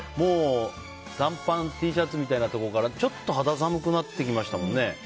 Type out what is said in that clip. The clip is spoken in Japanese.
短パン、Ｔシャツみたいなところからちょっと肌寒くなってきましたもんね。